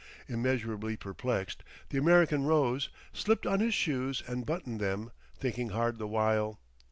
Immeasurably perplexed, the American rose, slipped on his shoes and buttoned them, thinking hard the while.